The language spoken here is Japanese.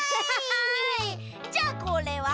じゃあこれは？